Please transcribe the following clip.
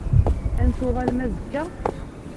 Ad n-tuɣalem azekka?